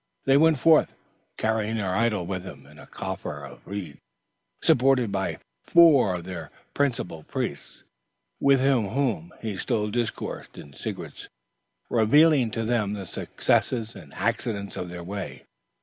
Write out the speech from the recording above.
They went forth, carrying their idol with them in a coffer of reeds, supported by four of their principal priests, with whom he still discoursed in secret, revealing to them the successes and accidents of their way.